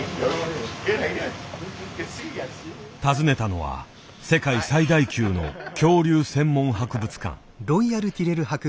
訪ねたのは世界最大級の恐竜専門博物館。